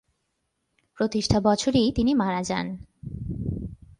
প্রতিষ্ঠা বছরেই তিনি মারা যান।